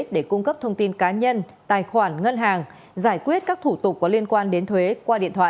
để cung cấp thông tin cá nhân tài khoản ngân hàng giải quyết các thủ tục có liên quan đến thuế qua điện thoại